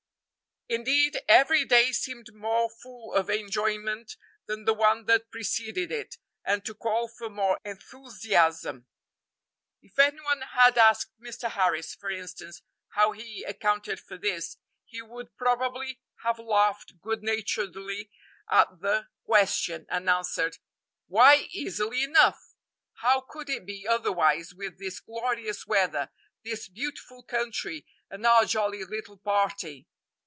Indeed, every day seemed more full of enjoyment than the one that preceded it and to call for more enthusiasm. If any one had asked Mr. Harris, for instance, how he accounted for this, he would probably have laughed good naturedly at the question, and answered: "Why, easily enough! How could it be otherwise with this glorious weather, this beautiful country, and our jolly little party!"